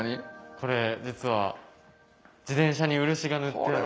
これ実は自転車に漆が塗ってある。